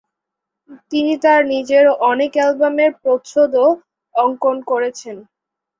তিনি তার নিজের অনেক অ্যালবামের প্রচ্ছদও অঙ্কন করেছেন।